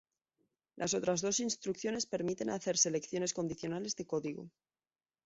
Las otras dos instrucciones permiten hacer selecciones condicionales de código.